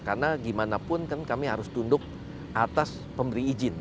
karena gimana pun kan kami harus tunduk atas pemberi izin